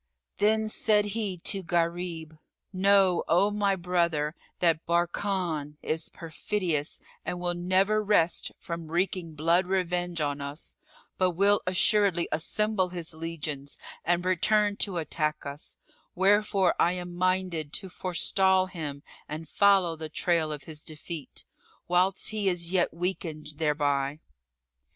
Then said he to Gharib, "Know, O my brother, that Barkan is perfidious and will never rest from wreaking blood revenge on us, but will assuredly assemble his legions and return to attack us; wherefore I am minded to forestall him and follow the trail of his defeat, whilst he is yet weakened thereby."